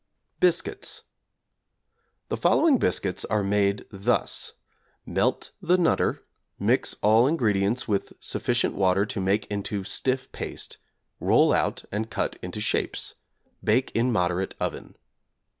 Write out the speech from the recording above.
BISCUITS The following biscuits are made thus: Melt the 'Nutter,' mix all ingredients with sufficient water to make into stiff paste; roll out and cut into shapes. Bake in moderate oven.